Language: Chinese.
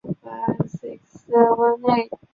第二部份讲几何全等。